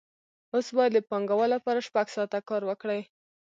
اوس باید د پانګوال لپاره شپږ ساعته کار وکړي